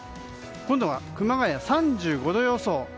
今度は熊谷３５度予想。